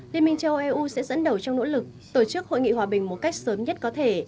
liên minh châu eu sẽ dẫn đầu trong nỗ lực tổ chức hội nghị hòa bình một cách sớm nhất có thể